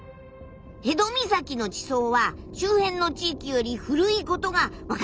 辺戸岬の地層は周辺の地域より古いことが分かってるんだよ。